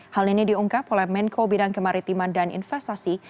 hal ini diungkap oleh menko bidang kemaritiman dan investasi